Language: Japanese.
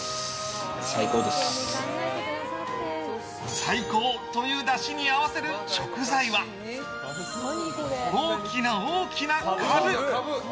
最高というだしに合わせる食材は大きな大きなカブ。